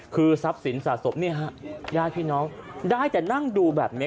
คือทรัพย์สินสะสมญาติพี่น้องได้แต่นั่งดูแบบนี้